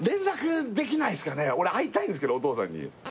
俺会いたいんですけどお父さんに・